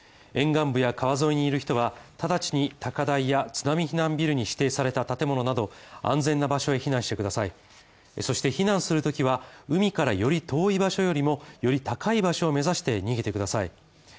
沿岸部や川沿いにいる人は直ちに高台や津波避難ビルに指定された建物など安全な場所へ避難してくださいそして避難するときは海からより遠い場所より高い場所を目指して逃げてください。